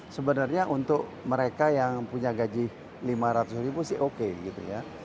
sebenarnya untuk mereka yang punya gaji lima ratus ribu sih oke gitu ya